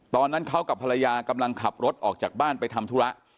ตอนนั้นเขากับภรรยากำลังขับรถออกจากบ้านไปทำธุระ